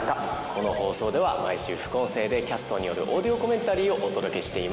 この放送では毎週副音声でキャストによるオーディオコメンタリーをお届けしています。